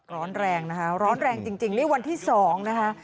ร้อนแรงนะคะร้อนแรงจริงนี่วันที่๒นะคะ